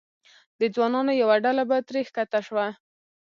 د ځوانانو یوه ډله به ترې ښکته شوه.